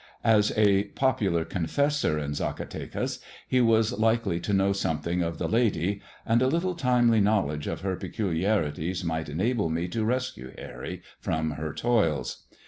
As a popular confessor in Zacatecas, he was likely to know something of the lady, and a little timely knowledge of her peculiarities might enable me to rescue Harry from her toils.